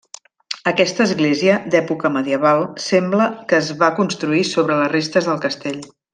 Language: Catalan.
Aquesta església, d'època medieval, sembla que es va construir sobre les restes del castell.